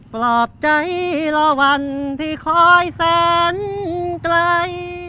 ปลอบใจรอวันที่คอยแสนไกล